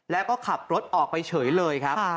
แล้วก็ขับรถออกไปเฉยเลยครับ